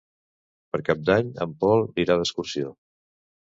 Per Cap d'Any en Pol irà d'excursió.